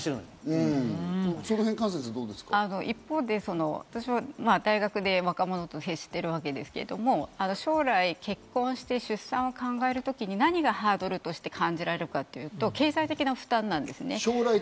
一方で私は大学で若者と接していますが、将来、結婚して出産を考えるときに何がハードルとして感じられるかというと経済的な負担です。